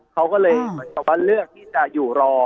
เขาก็เลยเลือกที่จะอยู่รอ